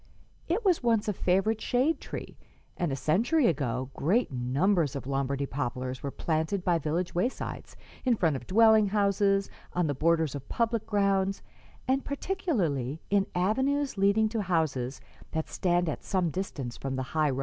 It was once a favorite shade tree, and a century ago great numbers of Lombardy poplars were planted by village waysides, in front of dwelling houses, on the borders of public grounds, and particularly in avenues leading to houses that stand at some distance from the high road.